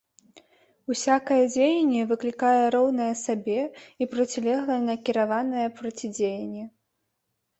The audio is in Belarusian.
Усякае дзеянне выклікае роўнае сабе і процілегла накіраванае процідзеянне.